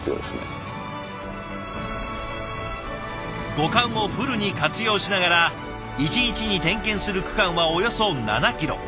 五感をフルに活用しながら一日に点検する区間はおよそ７キロ。